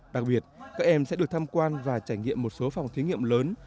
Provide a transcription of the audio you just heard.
đặc biệt các em sẽ được tham quan và trải nghiệm một số phòng thí nghiệm lớn